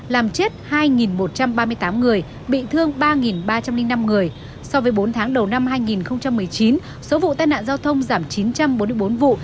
làm chết hai một trăm ba mươi tám người bị thương ba ba trăm linh năm người so với bốn tháng đầu năm hai nghìn một mươi chín số vụ tai nạn giao thông giảm chín trăm bốn mươi bốn vụ